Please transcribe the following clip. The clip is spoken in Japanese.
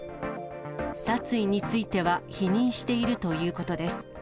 殺意については否認しているということです。